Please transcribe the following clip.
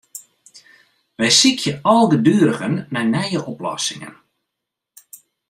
Wy sykje algeduerigen nei nije oplossingen.